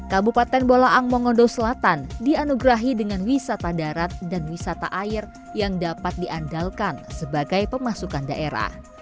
kabupaten bolaang mongodo selatan dianugerahi dengan wisata darat dan wisata air yang dapat diandalkan sebagai pemasukan daerah